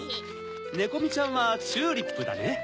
ネコミちゃんはチューリップだね。